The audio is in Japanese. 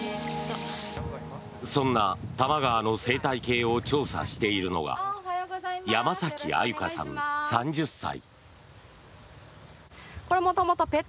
そんな多摩川の生態系を調査しているのが山崎愛柚香さん、３０歳。